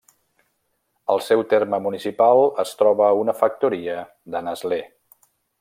Al seu terme municipal es troba una factoria de Nestlé.